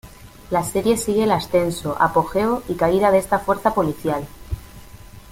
La serie sigue el ascenso, apogeo y caída de esta fuerza policial.